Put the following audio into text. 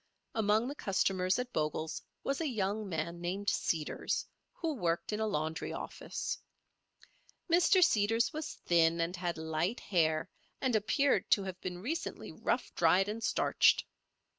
Among the customers at Bogle's was a young man named Seeders, who worked in a laundry office. Mr. Seeders was thin and had light hair, and appeared to have been recently rough dried and starched.